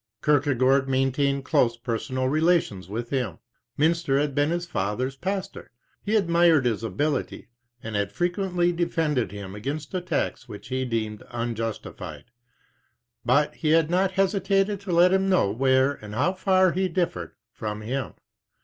Kierkegaard maintained close personal relations with him, Mynster having been his father's pastor. He admired his ability, and had frequently defended him against attacks which he deemed unjustified. But he had not hesitated to let him know where and how far he differed from him.